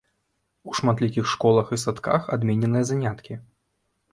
У шматлікіх школах і садках адмененыя заняткі.